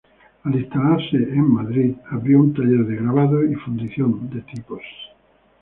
Al instalarse a Madrid, abrió un taller de grabado y fundición de tipos.